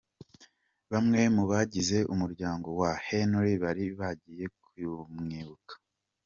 Bamwe mu bagize umuryango wa Henry bari bagiye kumwibuka.